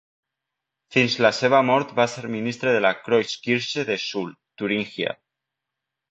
Fins la seva mort va ser ministre de la Kreuzkirche de Suhl, Turingia.